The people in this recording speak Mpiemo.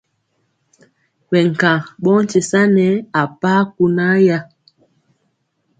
Ɓɛ nkaŋ ɓɔ nkye sa nɛ a paa kunaaya.